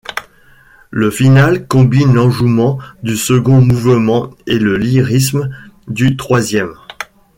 Le finale combine l'enjouement du second mouvement et le lyrisme du troisième.